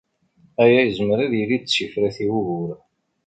Aya yezmer ad yili d tifrat i wugur.